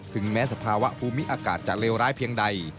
ถึงแม้สภาวะภูมิอากาศจะเลวร้ายเพียงใด